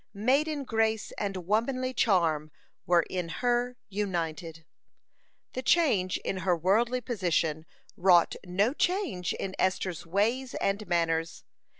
(73) Maiden grace and womanly charm were in her united. (74) The change in her worldly position wrought no change in Esther's ways and manners.